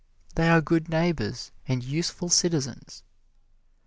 They are good neighbors and useful citizens.